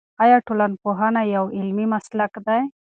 آیا ټولنپوهنه یو علمي مسلک دی؟